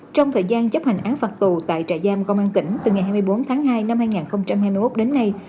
trong thời gian chấp hành án phạt tù tại trại giam công an tỉnh từ ngày hai mươi bốn tháng hai năm hai nghìn hai mươi một đến nay